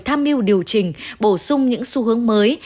tham mưu điều chỉnh bổ sung những xu hướng mới